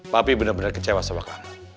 papi bener bener kecewa sama kamu